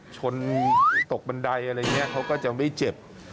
ชนตกบันไดอะไรอย่างนี้เขาก็จะไม่เจ็บ